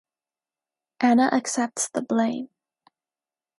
Anna accepts the blame.